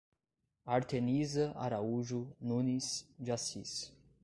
Arteniza Araújo Nunes de Assis